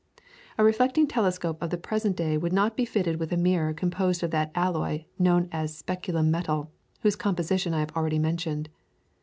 A reflecting telescope of the present day would not be fitted with a mirror composed of that alloy known as speculum metal, whose composition I have already mentioned.